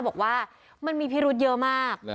บอกว่ามันมีพิรุธเยอะมาก